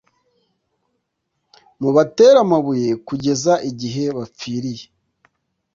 mubatere amabuye kugeza igihe bapfiriye!